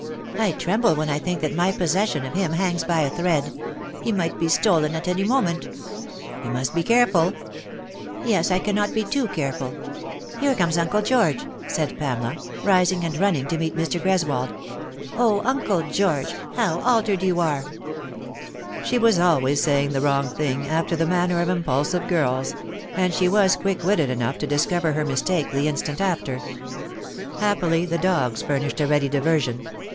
I tremble when I think that my possession of him hangs by a thread. He might be stolen at any moment." " You must be careful." " Yes, I cannot be too carefuL Here comes Uncle George," The Beginning of Doubt. 97 said Pamela, rising and running to meet Mr. Greswold. " O, Uncle George, how altered you are 1" She was always saying the wrong thing, after the manner of impulsive girls ; and she was quick witted enough to discover her mistake the instant after. Happily the dogs furnished a ready diversion.